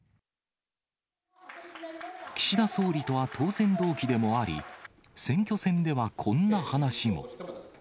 総理とは当選同期でもあり、選挙戦ではこんな話も。